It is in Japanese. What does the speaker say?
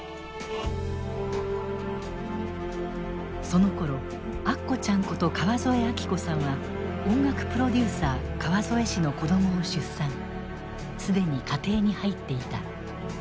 そのころアッコちゃんこと川添明子さんは音楽プロデューサー川添氏の子供を出産既に家庭に入っていた。